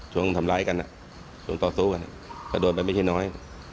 ทำร้ายกันช่วงต่อสู้กันก็โดนไปไม่ใช่น้อย